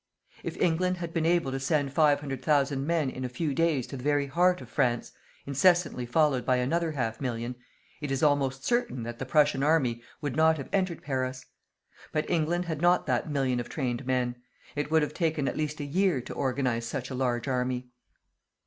If England had been able to send 500,000 men in a few days to the very heart of France, incessantly followed by another half million, it is almost certain that the Prussian army would not have entered Paris. But England had not that million of trained men. It would have taken at least a year to organize such a large army.